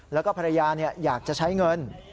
และภรรยาอยากใช้เงิน